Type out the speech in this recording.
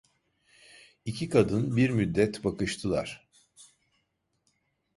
İki kadın bir müddet bakıştılar.